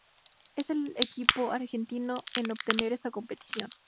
Es el segundo equipo argentino en obtener esta competición.